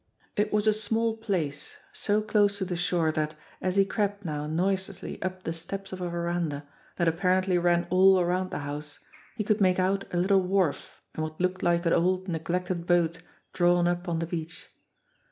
It was a small place so close to the shore that, as he crept now noiselessly up the steps of a verandah that apparently ran all around the house, he could make out a little wharf and what looked like an old, neglected boat drawn up on the beach.